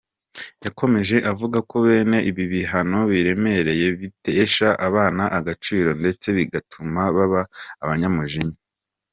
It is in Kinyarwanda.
Yakomeje avuga ko bene ibi bihano biremereye bitesha abana agaciro ndetse bigatuma baba abanyamujinya.